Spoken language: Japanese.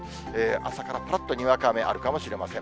朝からぱらっとにわか雨、あるかもしれません。